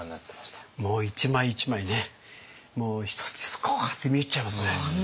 いやもう一枚一枚ねもう一つ一つこうやって見入っちゃいますね。